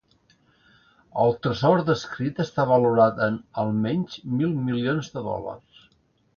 El tresor descrit està valorat en, almenys, mil milions de dòlars.